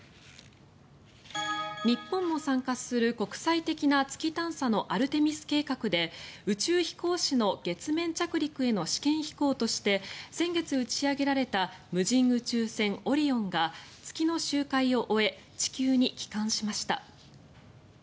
日本も参加する国際的な月探査のアルテミス計画で宇宙飛行士の月面着陸への試験飛行として先月打ち上げられた無人宇宙船オリオンが月の周回を終え地球に帰還しました。